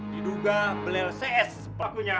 diduga belel cs sepatunya